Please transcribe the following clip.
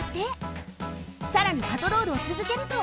さらにパトロールをつづけると。